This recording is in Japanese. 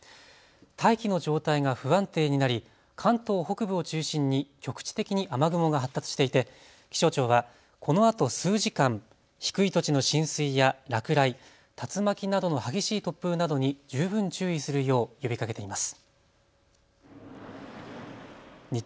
大気の状態が不安定になり関東北部を中心に局地的に雨雲が発達していて気象庁はこのあと数時間、低い土地の浸水や落雷、竜巻などの激しい突風などに十分注意するよう呼びかけています。